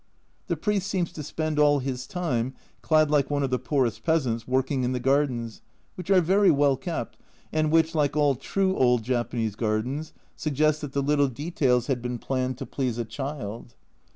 The priest seems to spend all his time, clad like one of the poorest peasants, working in the gardens, which are very well kept, and which, like all true old Japanese gardens, suggest that the little details had been planned to please a child.